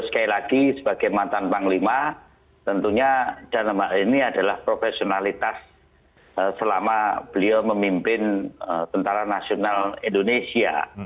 tapi dari tadi sebagai mantan panglima tentunya dan nama ini adalah profesionalitas selama beliau memimpin tni indonesia